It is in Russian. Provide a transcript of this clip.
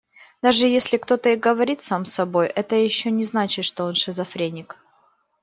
Даже если кто-то и говорит сам с собой, это ещё не значит, что он шизофреник.